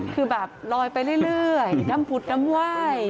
คือแบบลอยไปเรื่อยดำผุดดำไหว้